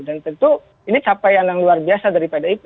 dan tentu ini capaian yang luar biasa dari pdip